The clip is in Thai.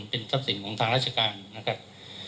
เป็นทรัพย์สินของทางราชการนะครับ